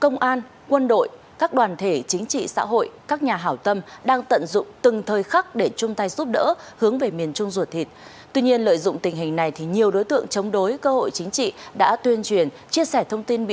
cảm ơn các bạn đã theo dõi chương trình an ninh ngày mới trên intv